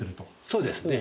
そうですね。